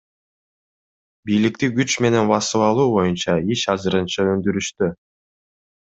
Бийликти күч менен басып алуу боюнча иш азырынча өндүрүштө.